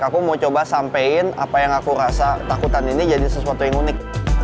aku mau coba sampein apa yang aku rasa takutan ini jadi sesuatu yang unik